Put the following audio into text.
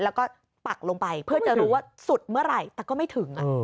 แล้วก็ปักลงไปเพื่อจะรู้ว่าสุดเมื่อไหร่แต่ก็ไม่ถึง